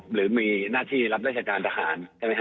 หรือมีหน้าที่รับรักษาจารย์ทหาร